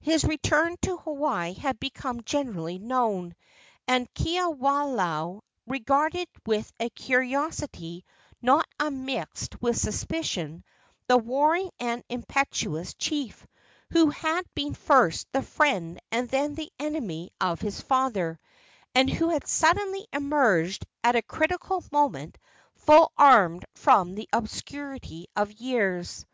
His return to Hawaii had become generally known, and Kiwalao regarded with a curiosity not unmixed with suspicion the warring and impetuous chief, who had been first the friend and then the enemy of his father, and who had suddenly emerged at a critical moment full armed from the obscurity of years.